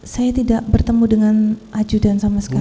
saya tidak bertemu dengan ajudan sama sekali